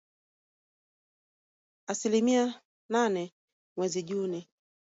Asilimia nane mwezi Juni